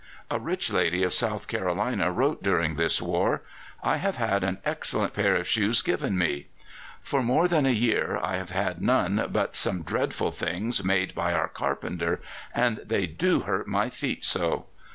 A rich lady of South Carolina wrote during this war: "I have had an excellent pair of shoes given me. For more than a year I have had none but some dreadful things made by our carpenter, and they do hurt my feet so.